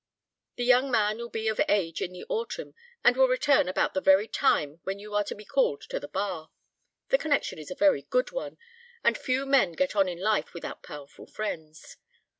The young man will be of age in the autumn, and will return about the very time when you are to be called to the bar. The connexion is a very good one, and few men get on in life without powerful friends.